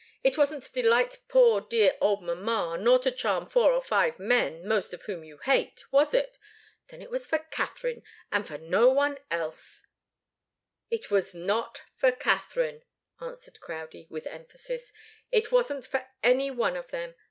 "It wasn't to delight poor dear old mamma, nor to charm four or five men, most of whom you hate was it? Then it was for Katharine, and for no one else " "It was not for Katharine," answered Crowdie, with emphasis. "It wasn't for any one of them.